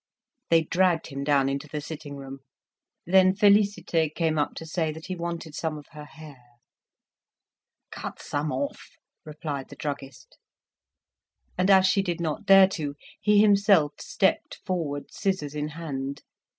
They dragged him down into the sitting room. Then Félicité came up to say that he wanted some of her hair. "Cut some off," replied the druggist. And as she did not dare to, he himself stepped forward, scissors in hand.